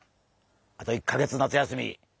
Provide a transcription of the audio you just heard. あと１か月夏休み。